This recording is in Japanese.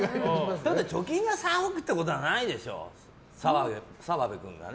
ただ貯金が３億ってことはないでしょ、澤部君がね。